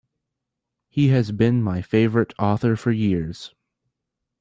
He has been my favourite author for years!